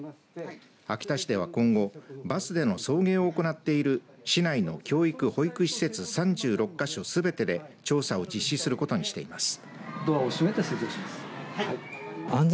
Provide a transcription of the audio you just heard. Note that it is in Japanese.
秋田市では今後バスでの送迎を行っている市内の教育保育施設３６か所すべてで調査を実施することにしています。